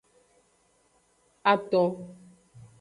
Aton.